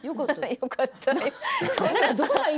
よかった。